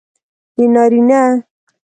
د نارینه